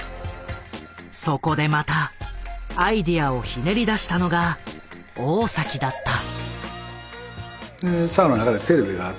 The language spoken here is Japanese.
そこでまたアイデアをひねり出したのが大だった。